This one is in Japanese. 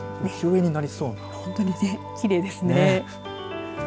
本当にきれいですね。